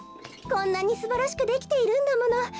こんなにすばらしくできているんだもの。